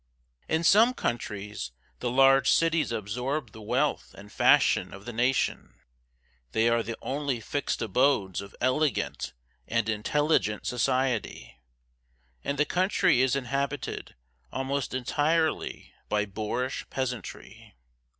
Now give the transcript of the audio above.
In some countries, the large cities absorb the wealth and fashion of the nation; they are the only fixed abodes of elegant and intelligent society, and the country is inhabited almost entirely by boorish peasantry.